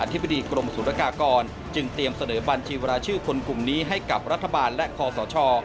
ธิบดีกรมศูนยากากรจึงเตรียมเสนอบัญชีเวลาชื่อคนกลุ่มนี้ให้กับรัฐบาลและคอสช